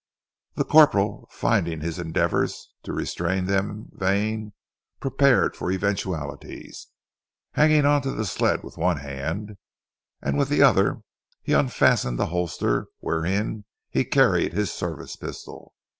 The corporal, finding his endeavours to restrain them vain, prepared for eventualities. Hanging on to the sled with one hand, with the other he unfastened the holster wherein he carried his service pistol.